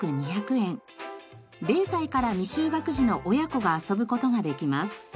０歳から未就学児の親子が遊ぶ事ができます。